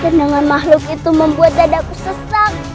genangan makhluk itu membuat dadaku sesak